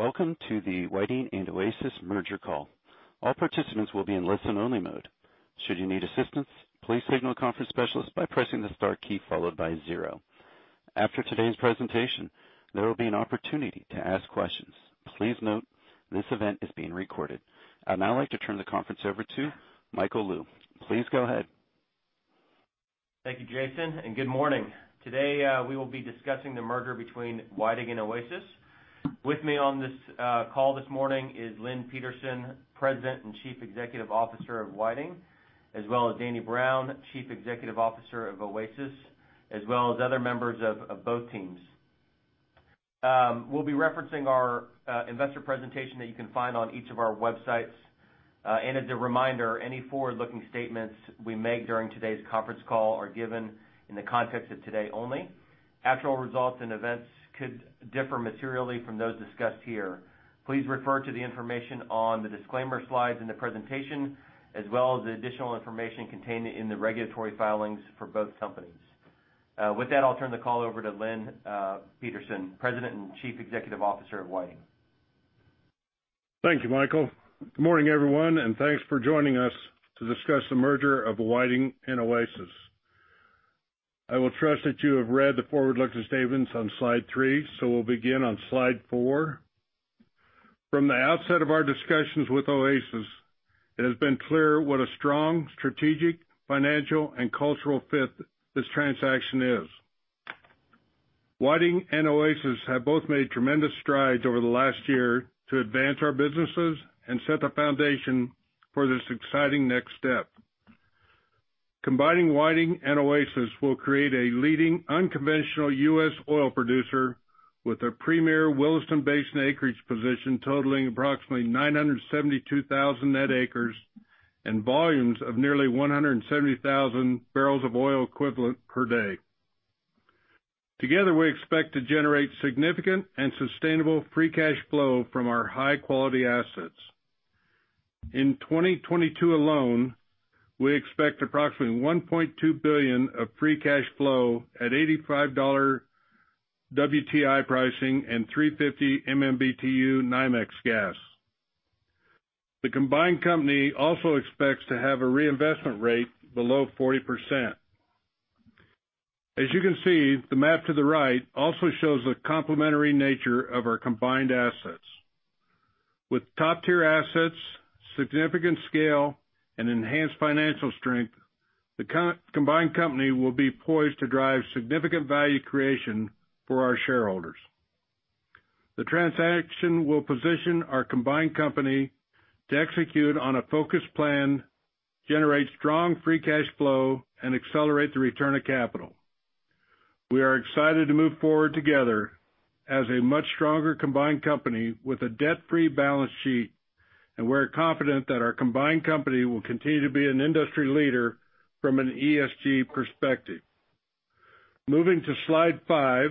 Good morning, and welcome to the Whiting and Oasis merger call. All participants will be in listen-only mode. Should you need assistance, please signal a conference specialist by pressing the star key followed by zero. After today's presentation, there will be an opportunity to ask questions. Please note, this event is being recorded. I'd now like to turn the conference over to Michael Lou. Please go ahead. Thank you, Jason, and good morning. Today, we will be discussing the merger between Whiting and Oasis. With me on this call this morning is Lynn Peterson, President and Chief Executive Officer of Whiting, as well as Danny Brown, Chief Executive Officer of Oasis, as well as other members of both teams. We'll be referencing our investor presentation that you can find on each of our websites. As a reminder, any forward-looking statements we make during today's conference call are given in the context of today only. Actual results and events could differ materially from those discussed here. Please refer to the information on the disclaimer slides in the presentation, as well as the additional information contained in the regulatory filings for both companies. With that, I'll turn the call over to Lynn Peterson, President and Chief Executive Officer of Whiting. Thank you, Michael. Good morning, everyone, and thanks for joining us to discuss the merger of Whiting and Oasis. I will trust that you have read the forward-looking statements on slide three, so we'll begin on slide four. From the outset of our discussions with Oasis, it has been clear what a strong strategic, financial, and cultural fit this transaction is. Whiting and Oasis have both made tremendous strides over the last year to advance our businesses and set the foundation for this exciting next step. Combining Whiting and Oasis will create a leading unconventional U.S. oil producer with a premier Williston Basin acreage position totaling approximately 972,000 net acres and volumes of nearly 170,000 bbl of oil equivalent per day. Together, we expect to generate significant and sustainable free cash flow from our high-quality assets. In 2022 alone, we expect approximately $1.2 billion of free cash flow at $85 WTI pricing and $3.50 MMBtu NYMEX gas. The combined company also expects to have a reinvestment rate below 40%. As you can see, the map to the right also shows the complementary nature of our combined assets. With top-tier assets, significant scale, and enhanced financial strength, the combined company will be poised to drive significant value creation for our shareholders. The transaction will position our combined company to execute on a focused plan, generate strong free cash flow, and accelerate the return of capital. We are excited to move forward together as a much stronger combined company with a debt-free balance sheet, and we're confident that our combined company will continue to be an industry leader from an ESG perspective. Moving to slide five,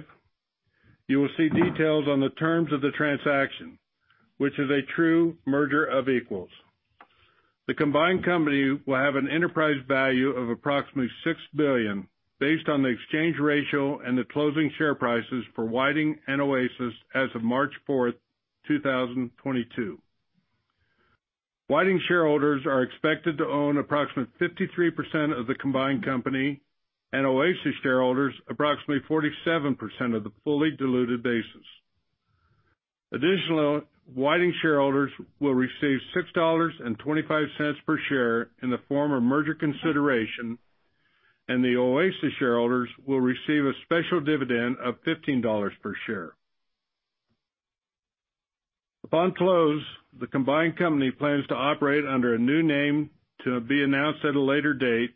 you will see details on the terms of the transaction, which is a true merger of equals. The combined company will have an enterprise value of approximately $6 billion based on the exchange ratio and the closing share prices for Whiting and Oasis as of March 4th, 2022. Whiting shareholders are expected to own approximately 53% of the combined company, and Oasis shareholders approximately 47% of the fully diluted basis. Additionally, Whiting shareholders will receive $6.25 per share in the form of merger consideration, and the Oasis shareholders will receive a special dividend of $15 per share. Upon close, the combined company plans to operate under a new name to be announced at a later date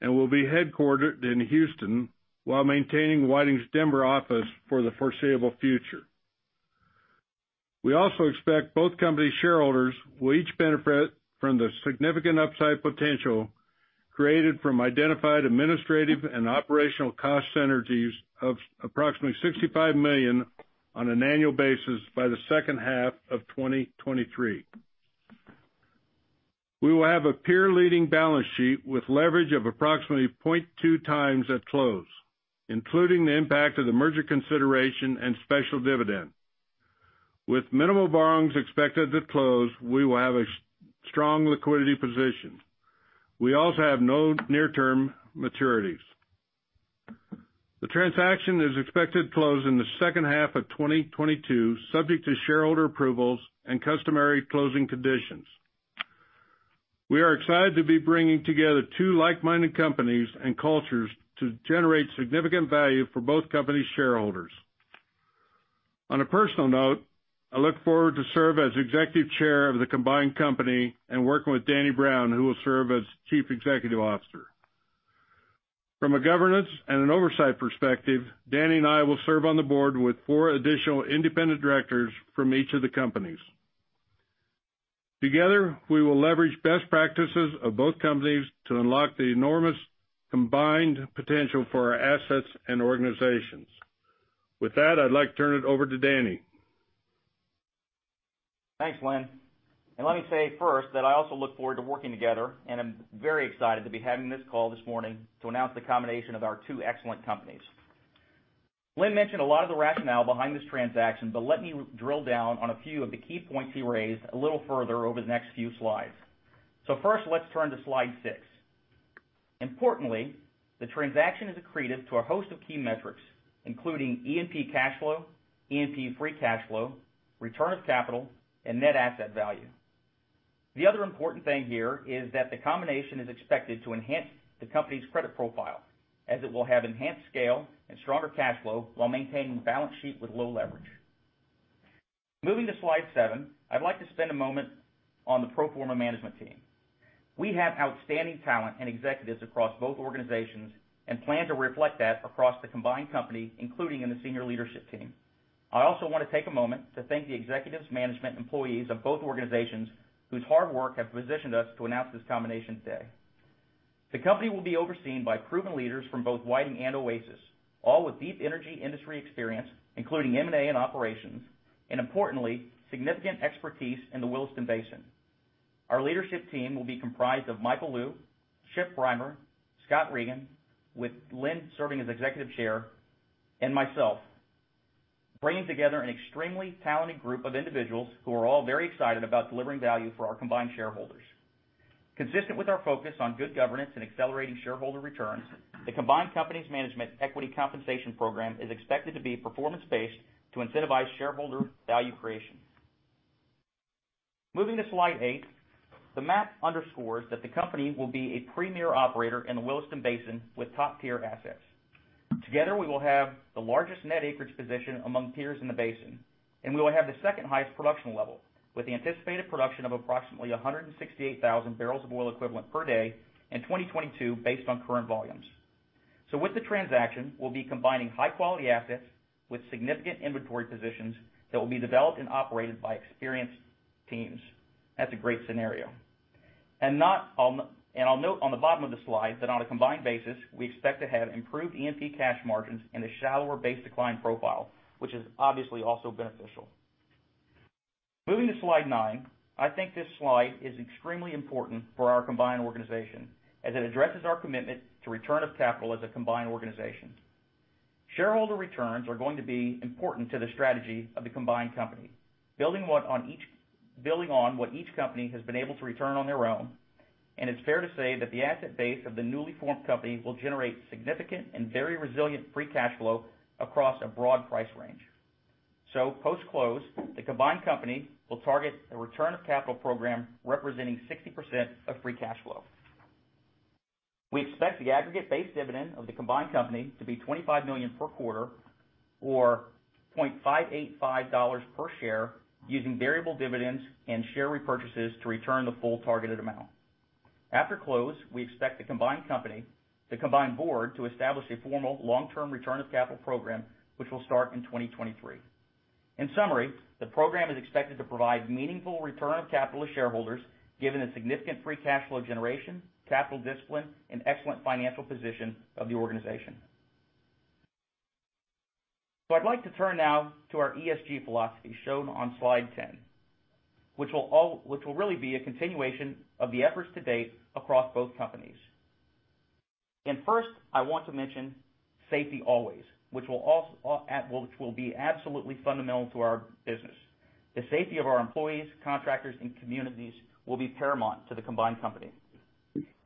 and will be headquartered in Houston while maintaining Whiting's Denver office for the foreseeable future. We also expect both company shareholders will each benefit from the significant upside potential created from identified administrative and operational cost synergies of approximately $65 million on an annual basis by the second half of 2023. We will have a peer-leading balance sheet with leverage of approximately 0.2x at close, including the impact of the merger consideration and special dividend. With minimal borrowings expected at close, we will have a strong liquidity position. We also have no near-term maturities. The transaction is expected to close in the second half of 2022, subject to shareholder approvals and customary closing conditions. We are excited to be bringing together two like-minded companies and cultures to generate significant value for both company shareholders. On a personal note, I look forward to serve as Executive Chair of the combined company and working with Danny Brown, who will serve as Chief Executive Officer. From a governance and an oversight perspective, Danny and I will serve on the Board with four additional Independent Directors from each of the companies. Together, we will leverage best practices of both companies to unlock the enormous combined potential for our assets and organizations. With that, I'd like to turn it over to Danny. Thanks, Lynn. Let me say first that I also look forward to working together, and I'm very excited to be having this call this morning to announce the combination of our two excellent companies. Lynn mentioned a lot of the rationale behind this transaction, but let me drill down on a few of the key points he raised a little further over the next few slides. First, let's turn to slide six. Importantly, the transaction is accretive to a host of key metrics, including E&P cash flow, E&P free cash flow, return of capital, and net asset value. The other important thing here is that the combination is expected to enhance the company's credit profile as it will have enhanced scale and stronger cash flow while maintaining balance sheet with low leverage. Moving to slide seven. I'd like to spend a moment on the pro forma management team. We have outstanding talent and executives across both organizations and plan to reflect that across the combined company, including in the senior leadership team. I also wanna take a moment to thank the executives, management, employees of both organizations whose hard work have positioned us to announce this combination today. The company will be overseen by proven leaders from both Whiting and Oasis, all with deep energy industry experience, including M&A and operations, and importantly, significant expertise in the Williston Basin. Our leadership team will be comprised of Michael Lou, Chip Rimer, Scott Regan, with Lynn serving as executive chair, and myself, bringing together an extremely talented group of individuals who are all very excited about delivering value for our combined shareholders. Consistent with our focus on good governance and accelerating shareholder returns, the combined company's management equity compensation program is expected to be performance-based to incentivize shareholder value creation. Moving to slide eight. The map underscores that the company will be a premier operator in the Williston Basin with top-tier assets. Together, we will have the largest net acreage position among peers in the basin, and we will have the second-highest production level with the anticipated production of approximately 168,000 bbl of oil equivalent per day in 2022 based on current volumes. With the transaction, we'll be combining high-quality assets with significant inventory positions that will be developed and operated by experienced teams. That's a great scenario. I'll note on the bottom of the slide that on a combined basis, we expect to have improved E&P cash margins and a shallower base decline profile, which is obviously also beneficial. Moving to slide nine. I think this slide is extremely important for our combined organization as it addresses our commitment to return of capital as a combined organization. Shareholder returns are going to be important to the strategy of the combined company. Building on what each company has been able to return on their own, and it's fair to say that the asset base of the newly formed company will generate significant and very resilient free cash flow across a broad price range. Post-close, the combined company will target a return of capital program representing 60% of free cash flow. We expect the aggregate base dividend of the combined company to be $25 million per quarter or $0.585 per share, using variable dividends and share repurchases to return the full targeted amount. After close, we expect the combined company, the combined board, to establish a formal long-term return of capital program, which will start in 2023. In summary, the program is expected to provide meaningful return of capital to shareholders given the significant free cash flow generation, capital discipline, and excellent financial position of the organization. I'd like to turn now to our ESG philosophy shown on slide 10, which will really be a continuation of the efforts to date across both companies. First, I want to mention safety always, which will be absolutely fundamental to our business. The safety of our employees, contractors, and communities will be paramount to the combined company.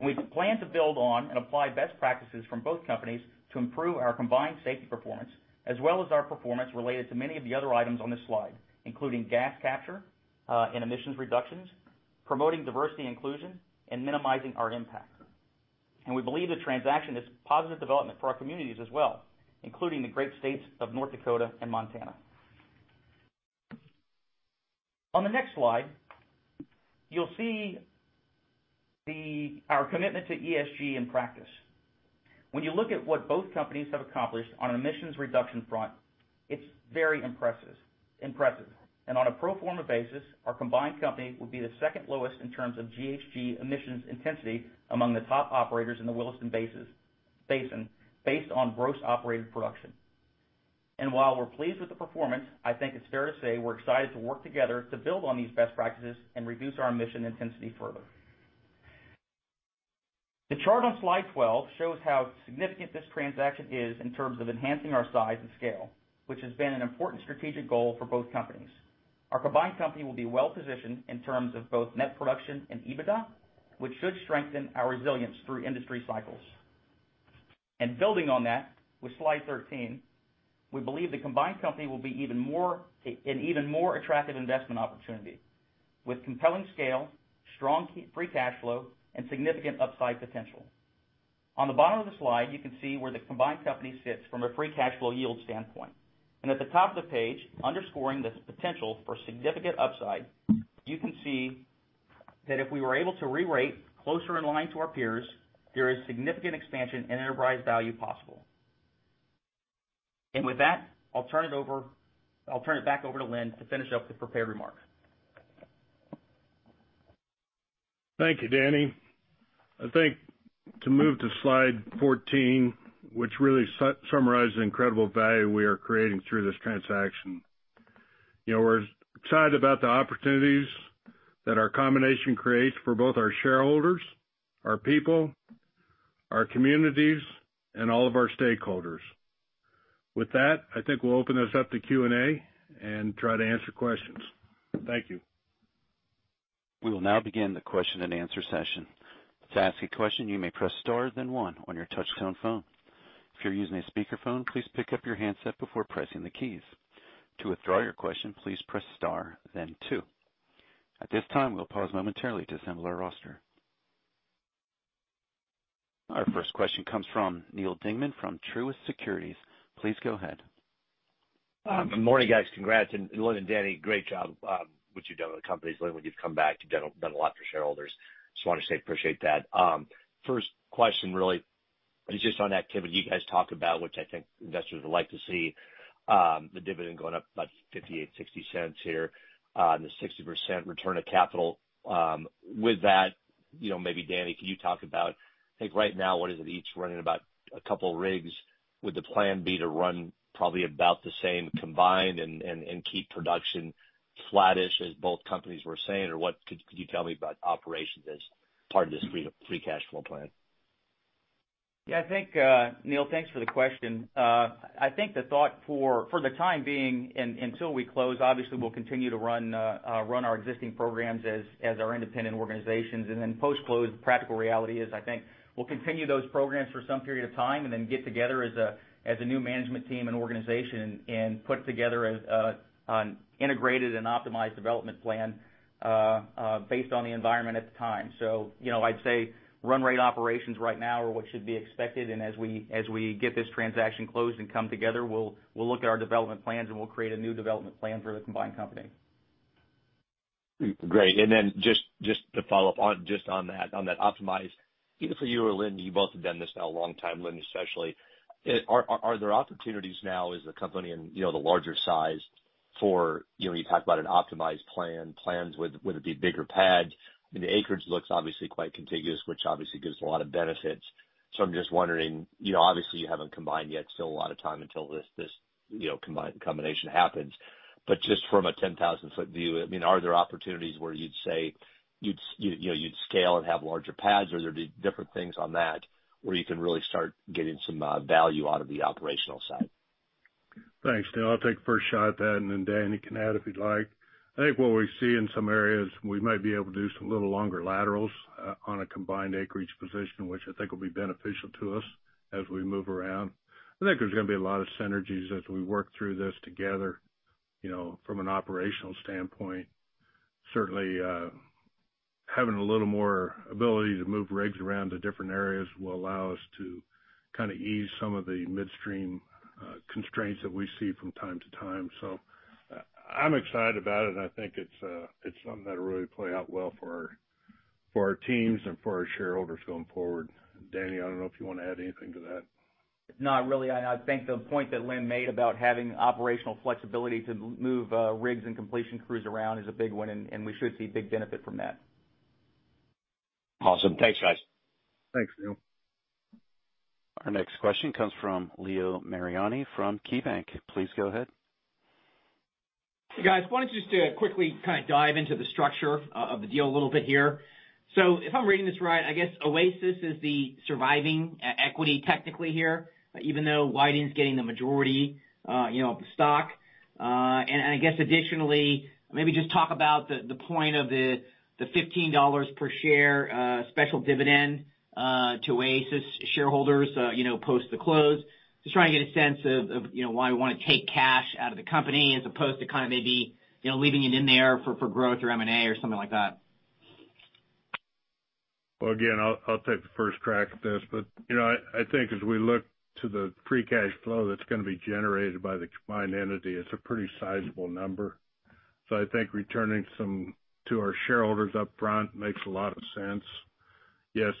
We plan to build on and apply best practices from both companies to improve our combined safety performance, as well as our performance related to many of the other items on this slide, including gas capture and emissions reductions, promoting diversity inclusion, and minimizing our impact. We believe the transaction is a positive development for our communities as well, including the great states of North Dakota and Montana. On the next slide, you'll see our commitment to ESG in practice. When you look at what both companies have accomplished on an emissions reduction front, it's very impressive. On a pro forma basis, our combined company will be the second lowest in terms of GHG emissions intensity among the top operators in the Williston Basin based on gross operated production. While we're pleased with the performance, I think it's fair to say we're excited to work together to build on these best practices and reduce our emission intensity further. The chart on slide 12 shows how significant this transaction is in terms of enhancing our size and scale, which has been an important strategic goal for both companies. Our combined company will be well positioned in terms of both net production and EBITDA, which should strengthen our resilience through industry cycles. Building on that with slide 13, we believe the combined company will be an even more attractive investment opportunity with compelling scale, strong free cash flow, and significant upside potential. On the bottom of the slide, you can see where the combined company sits from a free cash flow yield standpoint. At the top of the page, underscoring this potential for significant upside, you can see that if we were able to rerate closer in line to our peers, there is significant expansion in enterprise value possible. With that, I'll turn it back over to Lynn to finish up the prepared remarks. Thank you, Danny. I think to move to slide 14, which really summarizes the incredible value we are creating through this transaction. You know, we're excited about the opportunities that our combination creates for both our shareholders, our people, our communities, and all of our stakeholders. With that, I think we'll open this up to Q&A and try to answer questions. Thank you. We will now begin the question-and-answer session. To ask a question, you may press star then one on your touchtone phone. If you're using a speakerphone, please pick up your handset before pressing the keys. To withdraw your question, please press star then two. At this time, we'll pause momentarily to assemble our roster. Our first question comes from Neal Dingmann from Truist Securities. Please go ahead. Good morning, guys. Congrats, and Lynn and Danny, great job, what you've done with the companies. Lynn, when you've come back, you've done a lot for shareholders. Just wanna say appreciate that. First question really is just on activity you guys talk about, which I think investors would like to see, the dividend going up about $0.58-$0.60 here, and the 60% return of capital. With that, you know, maybe Danny, can you talk about, I think right now, what is it, each running about a couple rigs. Would the plan be to run probably about the same combined and keep production flattish as both companies were saying? Or what could you tell me about operations as part of this free cash flow plan? Yeah, I think, Neal, thanks for the question. I think the thought for the time being and until we close, obviously we'll continue to run our existing programs as our independent organizations. post-close, practical reality is, I think, we'll continue those programs for some period of time and then get together as a new management team and organization and put together an integrated and optimized development plan based on the environment at the time. You know, I'd say run rate operations right now are what should be expected, and as we get this transaction closed and come together, we'll look at our development plans, and we'll create a new development plan for the combined company. Great. Then just to follow up on that optimized, either for you or Lynn, you both have done this now a long time, Lynn, especially. Are there opportunities now as a company and, you know, the larger size for, you know, when you talk about an optimized plan, would it be bigger pad? I mean, the acreage looks obviously quite contiguous, which obviously gives a lot of benefits. I'm just wondering, you know, obviously you haven't combined yet, still a lot of time until this, you know, combination happens. Just from a 10,000-foot view, I mean, are there opportunities where you'd say you'd scale and have larger pads? Or there'd be different things on that where you can really start getting some value out of the operational side? Thanks, Neil. I'll take the first shot at that, and then Danny can add if he'd like. I think what we see in some areas, we might be able to do some little longer laterals on a combined acreage position, which I think will be beneficial to us as we move around. I think there's gonna be a lot of synergies as we work through this together, you know, from an operational standpoint. Certainly, having a little more ability to move rigs around to different areas will allow us to kinda ease some of the midstream constraints that we see from time to time. I'm excited about it, and I think it's something that'll really play out well for our teams and for our shareholders going forward. Danny, I don't know if you wanna add anything to that. Not really. I think the point that Lynn made about having operational flexibility to move rigs and completion crews around is a big one, and we should see big benefit from that. Awesome. Thanks, guys. Thanks, Neal. Our next question comes from Leo Mariani from KeyBanc. Please go ahead. Hey, guys. I wanted just to quickly kinda dive into the structure of the deal a little bit here. If I'm reading this right, I guess Oasis is the surviving equity technically here, even though Whiting's getting the majority, you know, of the stock. And I guess additionally, maybe just talk about the point of the $15 per share special dividend to Oasis shareholders, you know, post the close. Just trying to get a sense of, you know, why we wanna take cash out of the company as opposed to kind of maybe, you know, leaving it in there for growth or M&A or something like that. Well, again, I'll take the first crack at this. You know, I think as we look to the free cash flow that's gonna be generated by the combined entity, it's a pretty sizable number. I think returning some to our shareholders up front makes a lot of sense. Yes,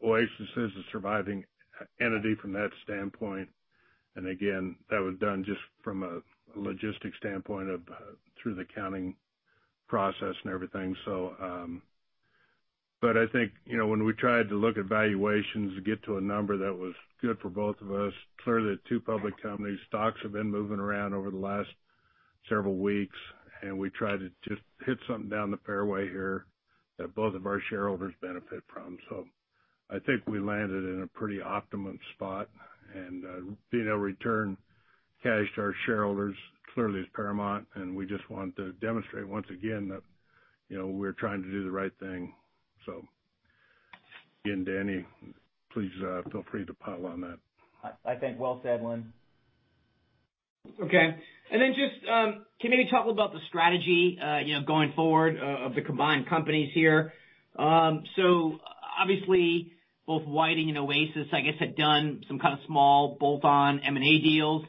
Oasis is the surviving entity from that standpoint. Again, that was done just from a logistical standpoint through the accounting process and everything. I think, you know, when we tried to look at valuations to get to a number that was good for both of us, clearly the two public companies' stocks have been moving around over the last several weeks, and we tried to just hit something down the fairway here that both of our shareholders benefit from. I think we landed in a pretty optimum spot and, you know, return cash to our shareholders clearly is paramount, and we just want to demonstrate once again that, you know, we're trying to do the right thing. Again, Danny, please, feel free to pile on that. I think well said, Lynn. Okay. Then just can maybe talk about the strategy, you know, going forward of the combined companies here. So obviously both Whiting and Oasis, I guess, had done some kind of small bolt-on M&A deals.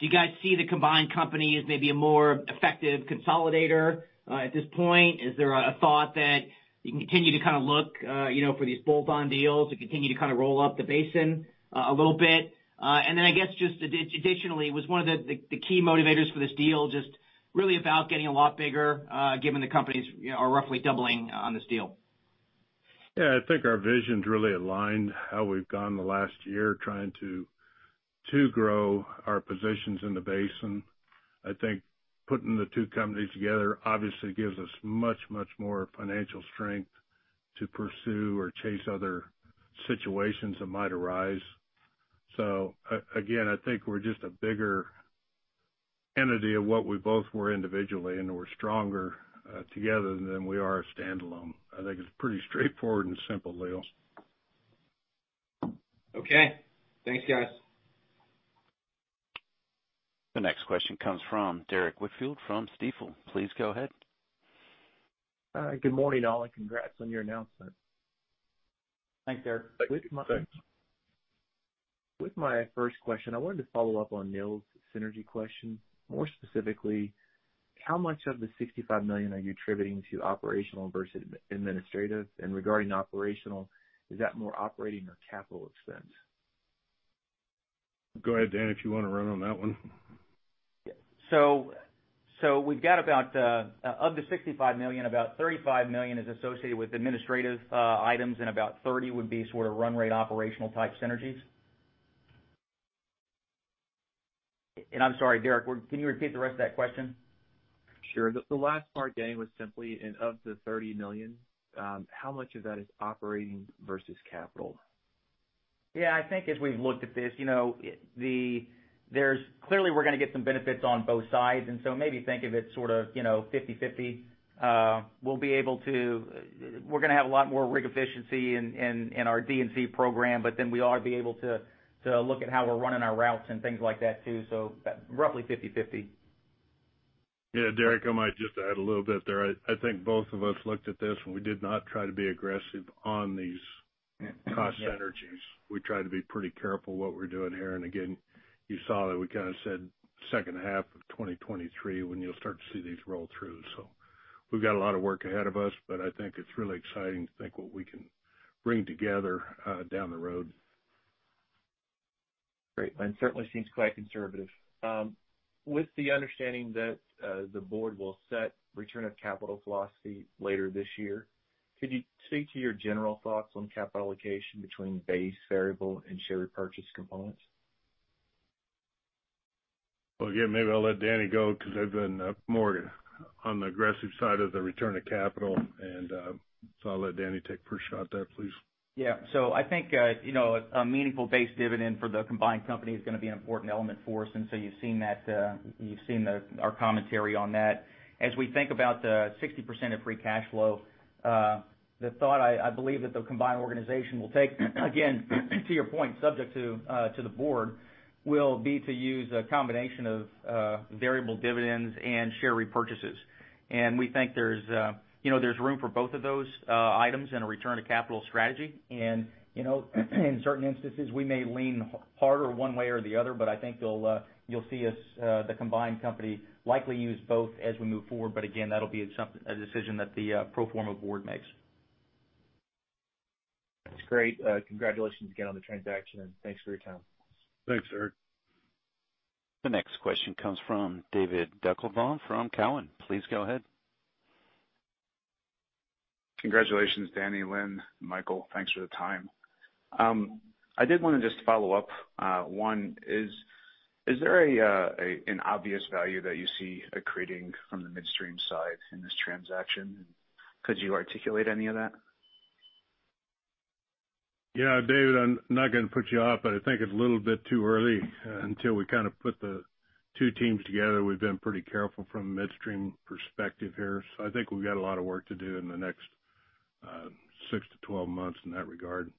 Do you guys see the combined company as maybe a more effective consolidator at this point? Is there a thought that you can continue to kinda look, you know, for these bolt-on deals to continue to kinda roll up the basin a little bit? Then I guess just additionally, was one of the key motivators for this deal just really about getting a lot bigger, given the companies, you know, are roughly doubling on this deal? Yeah, I think our vision's really aligned how we've gone the last year trying to grow our positions in the basin. I think putting the two companies together obviously gives us much, much more financial strength to pursue or chase other situations that might arise. Again, I think we're just a bigger entity of what we both were individually, and we're stronger together than we are standalone. I think it's pretty straightforward and simple, Leo. Okay. Thanks, guys. The next question comes from Derrick Whitfield from Stifel. Please go ahead. Good morning, all, and congrats on your announcement. Thanks, Derrick. Thank you. With my first question, I wanted to follow up on Neal's synergy question. More specifically, how much of the $65 million are you attributing to operational versus administrative? And regarding operational, is that more operating or capital expense? Go ahead, Dan, if you wanna run on that one. We've got about of the $65 million, about $35 million is associated with administrative items, and about $30 would be sort of run rate, operational type synergies. I'm sorry, Derrick, can you repeat the rest of that question? Sure. The last part, Danny, was simply one of the $30 million, how much of that is operating versus capital? Yeah, I think as we've looked at this, you know, there's clearly, we're gonna get some benefits on both sides, and so maybe think of it sort of, you know, 50/50. We'll be able to. We're gonna have a lot more rig efficiency in our D&C program, but then we ought to be able to look at how we're running our routes and things like that too. Roughly 50/50. Yeah. Derrick, I might just add a little bit there. I think both of us looked at this, and we did not try to be aggressive on these cost synergies. We tried to be pretty careful what we're doing here. Again, you saw that we kind of said second half of 2023 when you'll start to see these roll through. We've got a lot of work ahead of us, but I think it's really exciting to think what we can bring together down the road. Great. Certainly seems quite conservative. With the understanding that the board will set return on capital philosophy later this year, could you speak to your general thoughts on capital allocation between base variable and share repurchase components? Well, again, maybe I'll let Danny go because I've been more on the aggressive side of the return to capital and so I'll let Danny take first shot there, please. Yeah. I think, you know, a meaningful base dividend for the combined company is gonna be an important element for us, and so you've seen that, you've seen our commentary on that. As we think about the 60% of free cash flow, the thought I believe that the combined organization will take, again, to your point, subject to the board, will be to use a combination of variable dividends and share repurchases. We think there's, you know, room for both of those items in a return on capital strategy. You know, in certain instances, we may lean harder one way or the other, but I think you'll see us, the combined company likely use both as we move forward. Again, that'll be a decision that the pro forma board makes. That's great. Congratulations again on the transaction, and thanks for your time. Thanks, Derrick. The next question comes from David Deckelbaum from Cowen. Please go ahead. Congratulations, Danny, Lynn, Michael. Thanks for the time. I did wanna just follow up. One, is there an obvious value that you see accreting from the midstream side in this transaction? Could you articulate any of that? Yeah, David, I'm not gonna put you off, but I think it's a little bit too early until we kind of put the two teams together. We've been pretty careful from a midstream perspective here, so I think we've got a lot of work to do in the next six-12 months in that regard.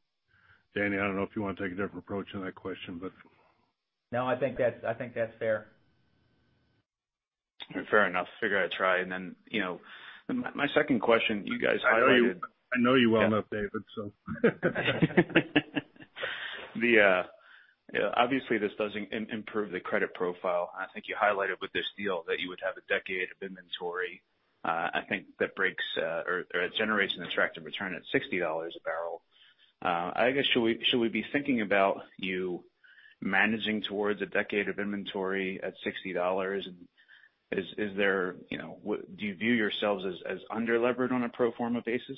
Danny, I don't know if you want to take a different approach on that question, but. No, I think that's fair. Fair enough. Figure I'd try. You know, my second question, you guys highlighted. I know you. I know you well enough, David, so. Obviously this doesn't improve the credit profile. I think you highlighted with this deal that you would have a decade of inventory. I think that breaks or it generates an attractive return at $60 a barrel. I guess, should we be thinking about you managing towards a decade of inventory at $60? Is there, you know, do you view yourselves as underlevered on a pro forma basis?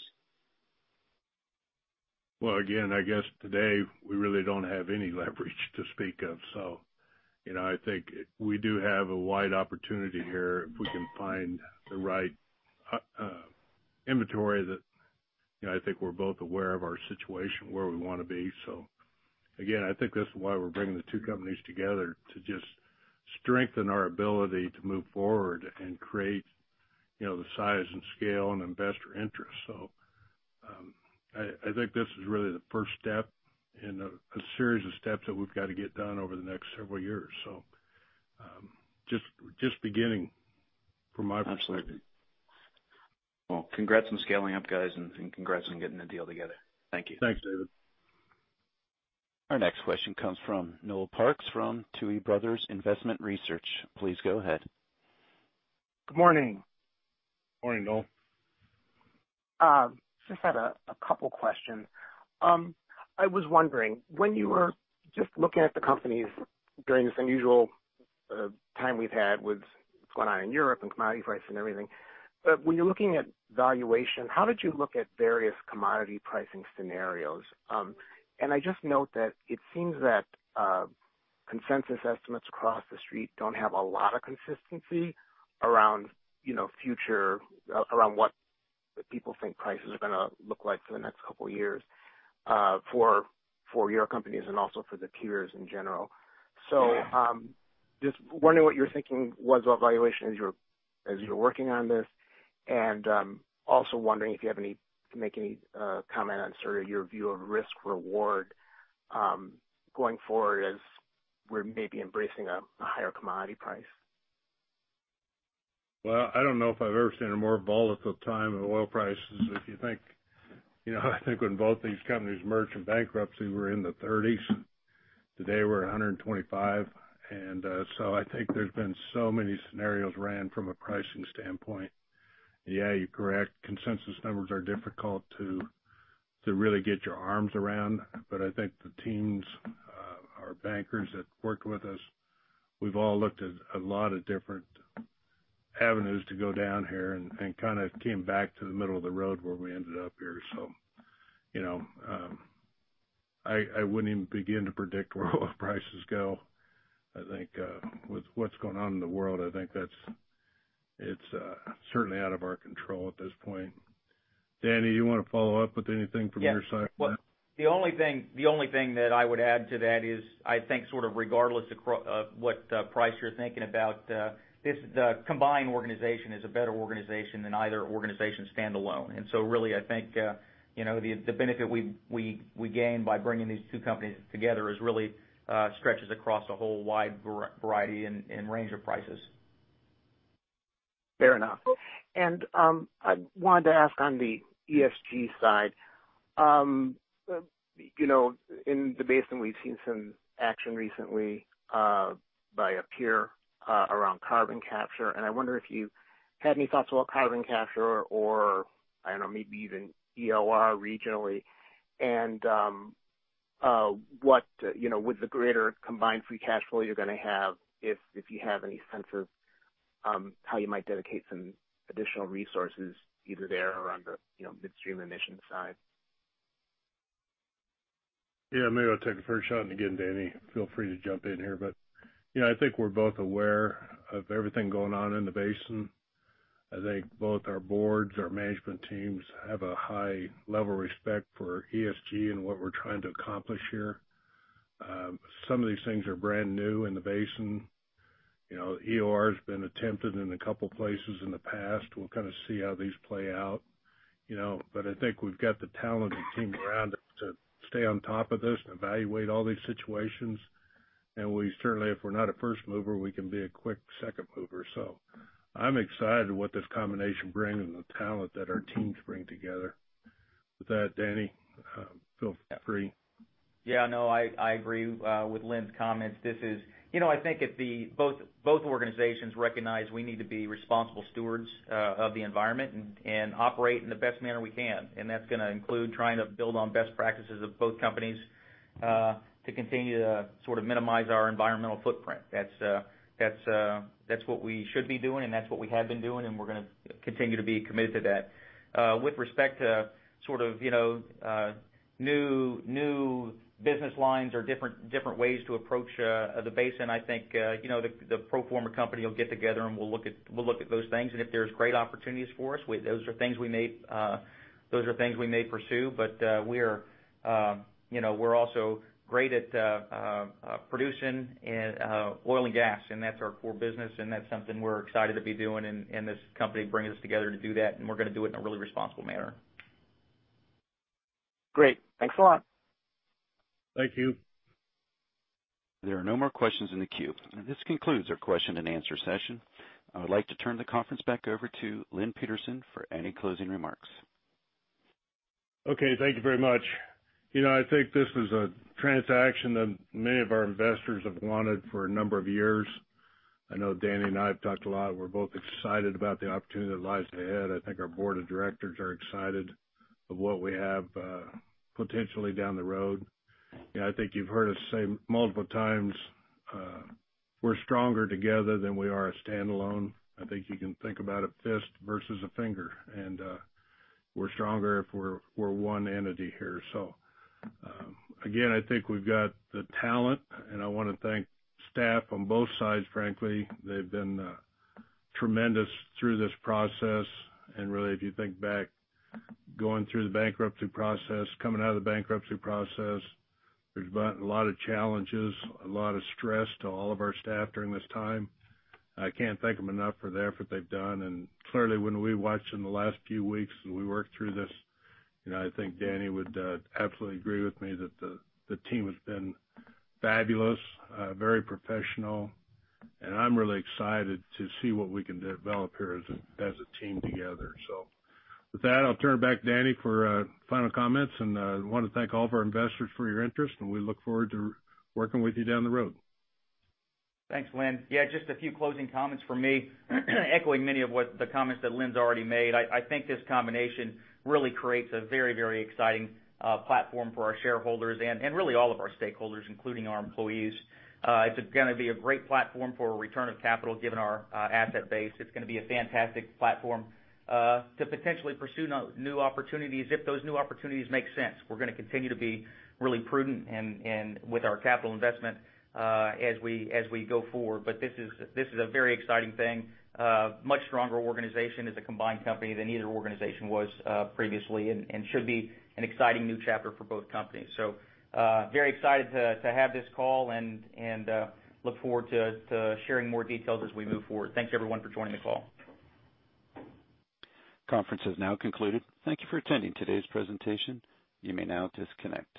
Well, again, I guess today we really don't have any leverage to speak of. You know, I think we do have a wide opportunity here if we can find the right inventory that. You know, I think we're both aware of our situation, where we wanna be. Again, I think that's why we're bringing the two companies together, to just strengthen our ability to move forward and create, you know, the size and scale and investor interest. I think this is really the first step in a series of steps that we've got to get done over the next several years. Just beginning from my perspective. Absolutely. Well, congrats on scaling up, guys, and congrats on getting the deal together. Thank you. Thanks, David. Our next question comes from Noel Parks from Tuohy Brothers Investment Research. Please go ahead. Good morning. Morning, Noel. Just had a couple questions. I was wondering, when you were just looking at the companies during this unusual The time we've had with what's going on in Europe and commodity prices and everything. When you're looking at valuation, how did you look at various commodity pricing scenarios? I just note that it seems that consensus estimates across the street don't have a lot of consistency around, you know, what people think prices are gonna look like for the next couple of years, for your companies and also for the peers in general. Just wondering what your thinking was about valuation as you're working on this. Also wondering if you can make any comment on sort of your view of risk-reward going forward as we're maybe embracing a higher commodity price. Well, I don't know if I've ever seen a more volatile time in oil prices. If you think, you know, I think when both these companies merged in bankruptcy, we were in the $30s. Today we're at $125. I think there's been so many scenarios ran from a pricing standpoint. Yeah, you're correct. Consensus numbers are difficult to really get your arms around. I think the teams, our bankers that work with us, we've all looked at a lot of different avenues to go down here and kind of came back to the middle of the road where we ended up here. You know, I wouldn't even begin to predict where oil prices go. I think with what's going on in the world, I think that's it's certainly out of our control at this point. Danny, you wanna follow up with anything from your side? Yes. Well, the only thing that I would add to that is I think sort of regardless across what price you're thinking about, the combined organization is a better organization than either organization standalone. Really I think, you know, the benefit we gain by bringing these two companies together is really stretches across a whole wide variety and range of prices. Fair enough. I wanted to ask on the ESG side. You know, in the basin, we've seen some action recently by a peer around carbon capture, and I wonder if you've had any thoughts about carbon capture or, I don't know, maybe even EOR regionally. You know, with the greater combined free cash flow you're gonna have, if you have any sense of how you might dedicate some additional resources either there or on the midstream emissions side. Yeah, maybe I'll take the first shot, and again, Danny, feel free to jump in here. You know, I think we're both aware of everything going on in the basin. I think both our boards, our management teams have a high level of respect for ESG and what we're trying to accomplish here. Some of these things are brand new in the basin. You know, EOR has been attempted in a couple places in the past. We'll kind of see how these play out, you know. I think we've got the talent and team around to stay on top of this and evaluate all these situations. And we certainly, if we're not a first mover, we can be a quick second mover. I'm excited what this combination brings and the talent that our teams bring together. With that, Danny, feel free. Yeah, no, I agree with Lynn's comments. You know, I think both organizations recognize we need to be responsible stewards of the environment and operate in the best manner we can, and that's gonna include trying to build on best practices of both companies to continue to sort of minimize our environmental footprint. That's what we should be doing, and that's what we have been doing, and we're gonna continue to be committed to that. With respect to sort of, you know, new business lines or different ways to approach the basin, I think, you know, the pro forma company will get together and we'll look at those things. If there's great opportunities for us, those are things we may pursue. But we're, you know, also great at producing oil and gas, and that's our core business, and that's something we're excited to be doing, and this company bringing us together to do that, and we're gonna do it in a really responsible manner. Great. Thanks a lot. Thank you. There are no more questions in the queue. This concludes our question-and-answer session. I would like to turn the conference back over to Lynn Peterson for any closing remarks. Okay, thank you very much. You know, I think this is a transaction that many of our investors have wanted for a number of years. I know Danny and I have talked a lot. We're both excited about the opportunity that lies ahead. I think our board of directors are excited of what we have, potentially down the road. You know, I think you've heard us say multiple times, we're stronger together than we are standalone. I think you can think about a fist versus a finger, and, we're stronger if we're one entity here. Again, I think we've got the talent, and I wanna thank staff on both sides, frankly. They've been, tremendous through this process. Really, if you think back, going through the bankruptcy process, coming out of the bankruptcy process, there's been a lot of challenges, a lot of stress to all of our staff during this time. I can't thank them enough for the effort they've done. Clearly, when we watched in the last few weeks as we worked through this, you know, I think Danny would absolutely agree with me that the team has been fabulous, very professional, and I'm really excited to see what we can develop here as a team together. With that, I'll turn it back to Danny for final comments. Wanna thank all of our investors for your interest, and we look forward to working with you down the road. Thanks, Lynn. Yeah, just a few closing comments from me, echoing many of the comments that Lynn's already made. I think this combination really creates a very, very exciting platform for our shareholders and really all of our stakeholders, including our employees. It's gonna be a great platform for a return of capital, given our asset base. It's gonna be a fantastic platform to potentially pursue new opportunities if those new opportunities make sense. We're gonna continue to be really prudent and with our capital investment as we go forward. This is a very exciting thing. Much stronger organization as a combined company than either organization was previously, and should be an exciting new chapter for both companies. Very excited to have this call and look forward to sharing more details as we move forward. Thanks, everyone, for joining the call. Conference is now concluded. Thank you for attending today's presentation. You may now disconnect.